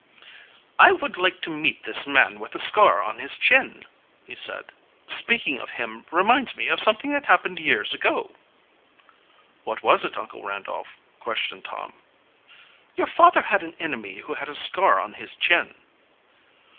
"I would like to meet this man with a scar on his chin," he said. "Speaking of him reminds me of something that happened years ago." "What was it, Uncle Randolph?" questioned Tom. "Your father had an enemy who had a scar on his chin."